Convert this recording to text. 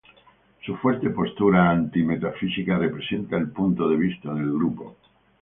Su fuerte postura anti-metafísica representa el punto de vista del grupo.